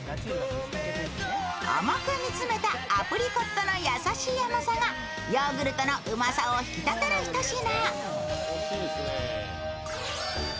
甘く煮詰めたアプリコットの優しい甘さがヨーグルトのうまさを引き立てるひと品。